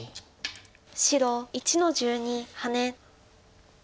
白１の十二ハネ。